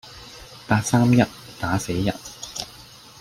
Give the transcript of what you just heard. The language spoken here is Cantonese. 八三一打死人